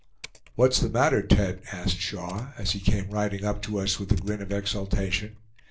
"What's the matter, Tete?" asked Shaw, as he came riding up to us with a grin of exultation.